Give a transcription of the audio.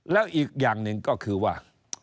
แล้วอีกอย่างหนึ่งก็คือว่า